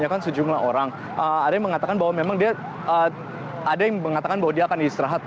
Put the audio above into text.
demo atau istirahat